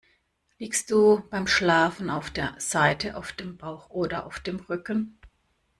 Liegst du beim Schlafen auf der Seite, auf dem Bauch oder auf dem Rücken?